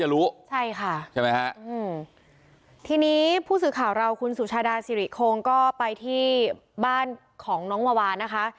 รู้ใช่ค่ะใช่ไหมฮะอืมทีนี้ผู้สื่อข่าวเราคุณสุชาดาสิริคงก็ไปที่บ้านของน้องวาวานะคะ